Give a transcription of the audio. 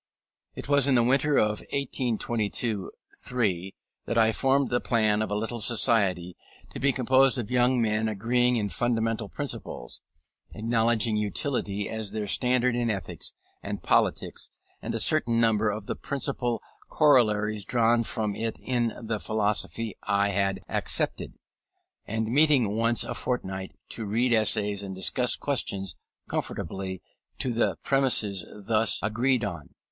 It was in the winter of 1822 3 that I formed the plan of a little society, to be composed of young men agreeing in fundamental principles acknowledging Utility as their standard in ethics and politics, and a certain number of the principal corollaries drawn from it in the philosophy I had accepted and meeting once a fortnight to read essays and discuss questions conformably to the premises thus agreed on.